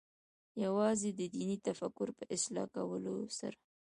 یوازې د دیني تفکر په اصلاح کولو سره.